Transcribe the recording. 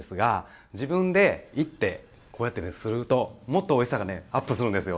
自分で煎ってこうやってするともっとおいしさがアップするんですよ。